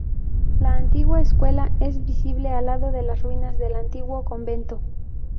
La antigua escuela es visible al lado de las ruinas del antiguo convento.